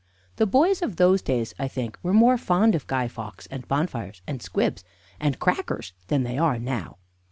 The boys of those days, I think, were more fond of Guy Fawkes, and bonfires, and squibs, and crackers than they are now.